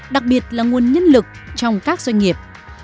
đặc biệt là nguồn nhân lực trong các doanh nghiệp